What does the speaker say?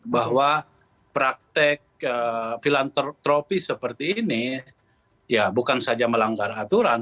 bahwa praktek filantropi seperti ini bukan saja melanggar aturan